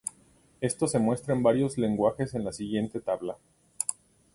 Esto se muestra en varios lenguajes en la siguiente tabla.